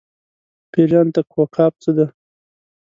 پېریانو ته کوه قاف څه دي.